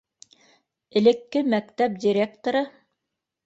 Элекке мәктәп директоры